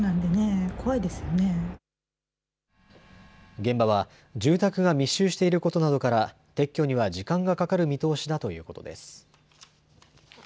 現場は住宅が密集していることなどから撤去には時間がかかる見通しだということです。